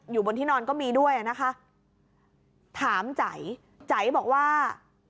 อยู่บนที่นอนก็มีด้วยอ่ะนะคะถามใจใจบอกว่า